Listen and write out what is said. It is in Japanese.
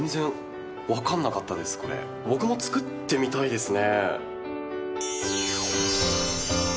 僕も作ってみたいですね。